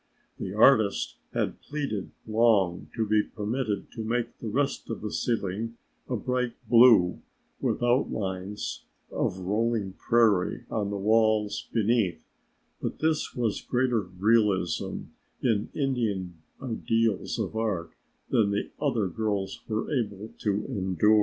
The artist had pleaded long to be permitted to make the rest of the ceiling a bright blue with outlines of rolling prairie on the walls beneath, but this was greater realism in Indian ideals of art than the other girls were able to endure.